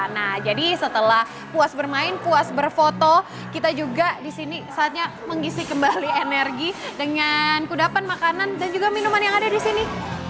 nah jadi setelah puas bermain puas berfoto kita juga disini saatnya mengisi kembali energi dengan kudapan makanan dan juga minuman yang ada di sini